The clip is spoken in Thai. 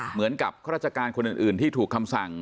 เหมือนกับข้อราชการคนอื่นที่ถูกคำสั่ง